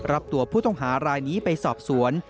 รับตัวผู้ต้องหารายนี้ไปสอบสวน